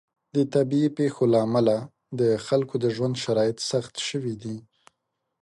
د طبیعي پیښو له امله د خلکو د ژوند شرایط سخت شوي دي.